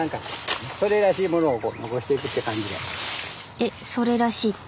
えっ「それらしい」って？